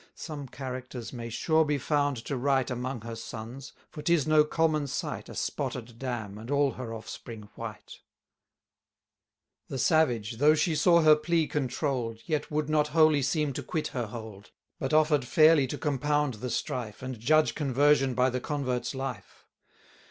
Some characters may sure be found to write Among her sons; for 'tis no common sight, A spotted dam, and all her offspring white. The savage, though she saw her plea controll'd, Yet would not wholly seem to quit her hold, But offer'd fairly to compound the strife, 360 And judge conversion by the convert's life.